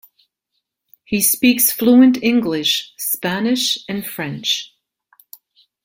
He speaks fluent English, Spanish and French.